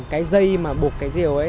cái dây mà bột cái diều ấy